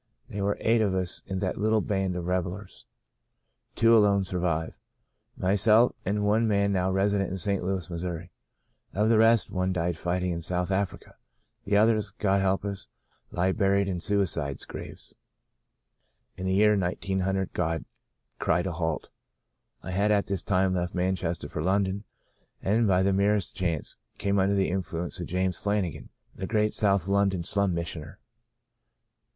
There were eight of us in that little band of revellers. Two alone survive — my self, and one man now resident in St. Louis, Mo. Of the rest, one died fighting in South Africa ; the others — God help us I — lie buried in suicides' graves I In the year 1900 God cried a halt. I had at this time left Manchester for London, and by the merest chance came under the influ ence of James Flanagan, the great South London slum missioner.